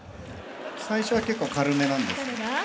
最初は結構軽めなんです。